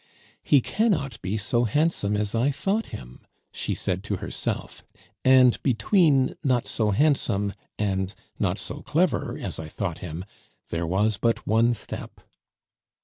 "He cannot be so handsome as I thought him," she said to herself; and between "not so handsome" and "not so clever as I thought him" there was but one step.